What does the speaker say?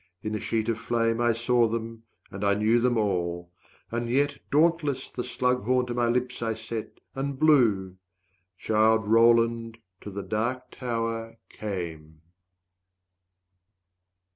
in a sheet of flame I saw them and I knew them all. And yet Dauntless the slug horn to my lips I set, And blew. "_Childe Roland to the Dark Tower came.